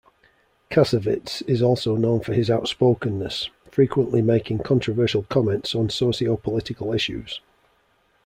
Kassovitz is also known for his outspokenness, frequently making controversial comments on socio-political issues.